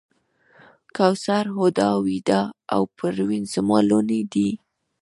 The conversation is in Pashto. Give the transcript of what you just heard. کوثر، هُدا، ویدا او پروین زما لوڼې دي.